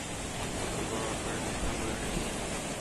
একটি বড় আকারের বিছানা করে নিবো।